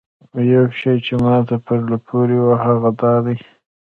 یو شی چې ماته په زړه پورې و هغه دا دی.